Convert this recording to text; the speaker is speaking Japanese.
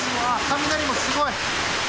雷もすごい。